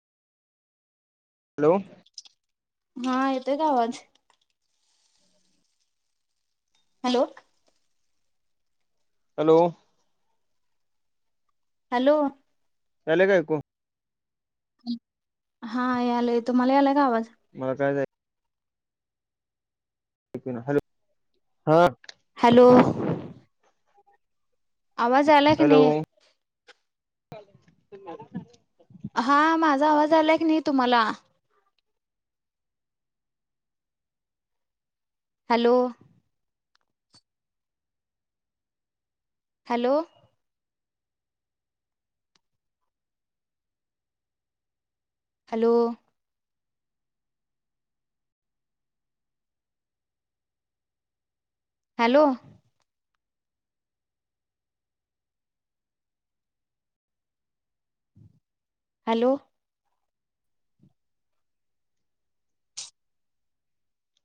Hello हा येतोय का आवाज? हॅलो हॅलो हॅलो यायले काय आईक हा यालाय तुम्हाला याला का आवाज. मला काय जाय [inaudible] हॅलो हा हॅलो, आवाज आलाकी हॅलो नाही. हा माझा आवाज आलाय की नाही तुम्हाला hello, hello, hello, hello, hello,